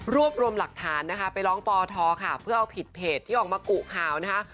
รวบรวมหลักฐานนะคะไปร้องปทค่ะเพื่อเอาผิดเพจที่ออกมากุข่าวนะคะ